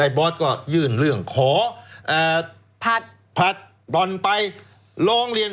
ไอ้บอสก็ยื่นเรื่องขอผลัดปล่อนไปโรงเรียน